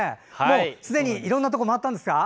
すでに、いろんなところ回ったんですか？